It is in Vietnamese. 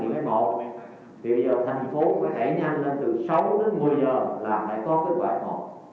thì bây giờ thành phố phải hãy nhanh lên từ sáu đến một mươi giờ là phải có kết quả f một